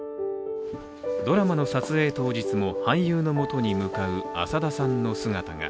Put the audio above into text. ドラマの撮影当日も俳優の元に向かう浅田さんの姿が。